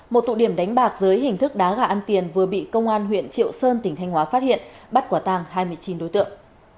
một tụ điểm đánh bạc dưới hình thức đá gà ăn tiền vừa bị công an huyện triệu sơn tỉnh thanh hóa phát hiện bắt quả tàng hai mươi chín đối tượng